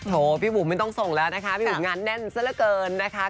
พี่บุ๋มไม่ต้องส่งแล้วนะคะพี่บุ๋มงานแน่นซะละเกินนะคะ